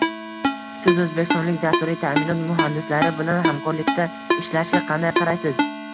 Siz oʻzbekistonlik dasturiy taʼminot muhandislari bilan hamkorlikda ishlashga qanday qaraysiz?